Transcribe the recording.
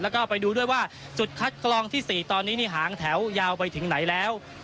แล้วก็ไปดูด้วยว่า